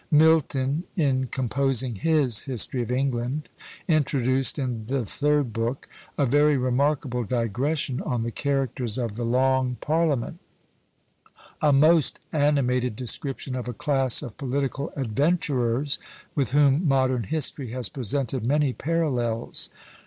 Milton, in composing his History of England, introduced, in the third book, a very remarkable digression, on the characters of the Long Parliament; a most animated description of a class of political adventurers with whom modern history has presented many parallels.